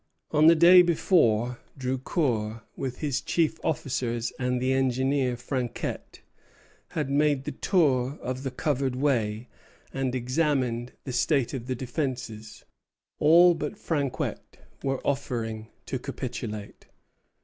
On the day before, Drucour, with his chief officers and the engineer, Franquet, had made the tour of the covered way, and examined the state of the defences. All but Franquet were for offering to capitulate.